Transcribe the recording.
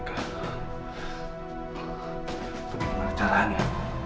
mas tak payah play ke ladangnya